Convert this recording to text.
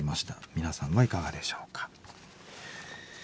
皆さんはいかがでしょうか。